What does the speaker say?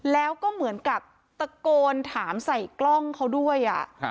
แล้วก็เหมือนกับตะโกนถามใส่กล้องเขาด้วย